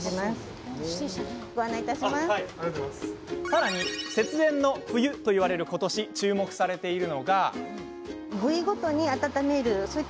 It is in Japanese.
さらに節電の冬といわれる今年注目されているのが。